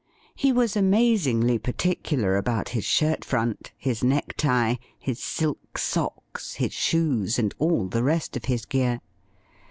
He was amazingly particular about his shirt front, his neck tie, his silk socks, his shoes, and all the rest of his gear.